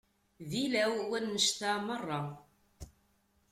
D ilaw wannect-a merra?